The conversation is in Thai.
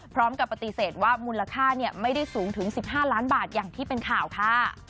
พร้อมกับปฏิเสธว่ามูลค่าไม่ได้สูงถึง๑๕ล้านบาทอย่างที่เป็นข่าวค่ะ